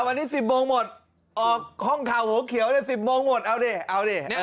วันนี้๑๐โมงหมดออกห้องเท่าหูเขียวเลย๑๐โมงหมดเอาดิ